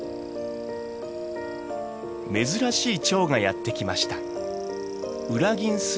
珍しいチョウがやって来ました。